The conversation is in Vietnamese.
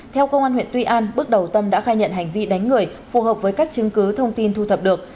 theo công an huyện tuy an bước đầu tâm đã khai nhận hành vi đánh người phù hợp với các chứng cứ thông tin thu thập được